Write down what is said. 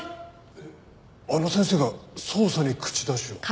えっあの先生が捜査に口出しを？